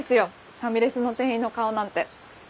ファミレスの店員の顔なんて。